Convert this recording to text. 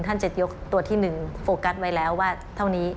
ท่านจะยกตัวที่๑โฟกัสไว้แล้วว่าเท่านี้